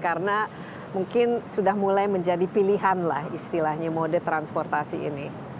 karena mungkin sudah mulai menjadi pilihan lah istilahnya mode transportasi ini